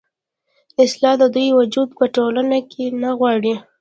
اصـلا د دوي وجـود پـه ټـولـنـه کـې نـه غـواړي.